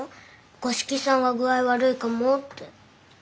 五色さんが具合悪いかもって。